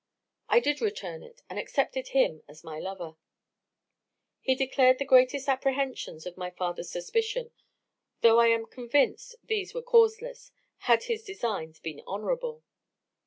I did return it, and accepted him as my lover. "He declared the greatest apprehensions of my father's suspicion, though I am convinced these were causeless had his designs been honourable.